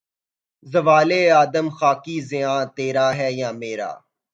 زوال آدم خاکی زیاں تیرا ہے یا میرا